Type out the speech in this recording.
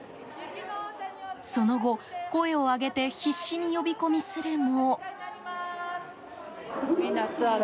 その後、声を上げて必死に呼び込みするも。